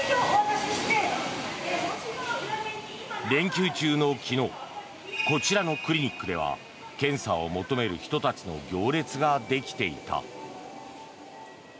連休中の昨日こちらのクリニックでは検査を求める人たちの行列ができていた。